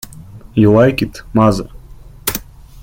You like it, mother?